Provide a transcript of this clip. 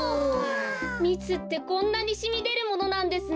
みつってこんなにしみでるものなんですね。